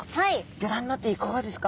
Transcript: ギョ覧になっていかがですか？